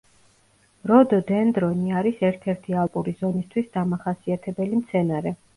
როდოდენდრონი არის ერთ-ერთი ალპური ზონისთვის დამახასიათებელი მცენარე.